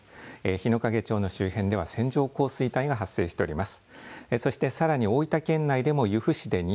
日之影町の周辺では線状降水帯が発生しております。